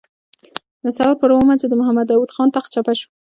د ثور پر اوومه چې د محمد داود خان تخت چپه شو.